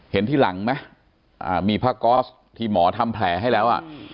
เห็นที่หลังไหมมีผ้าก๊อสที่หมอทำแผลให้แล้ว